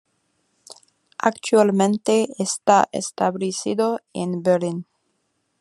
Actualmente está establecido en Berlín.